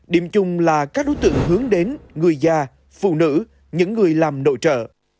điểm chung là các đối tượng hướng đến người già phụ nữ những người làm nội trợ